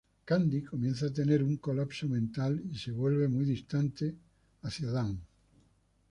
Candy comienza a tener un colapso mental, y se vuelve muy distante hacia Dan.